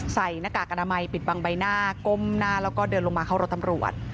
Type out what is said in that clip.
หน้ากากอนามัยปิดบังใบหน้าก้มหน้าแล้วก็เดินลงมาเข้ารถตำรวจ